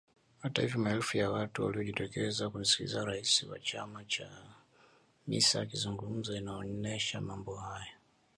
Hata hivyo maelfu ya watu waliojitokeza kumsikiliza rais wa chama Chamisa akizungumza inaonyesha mambo haya.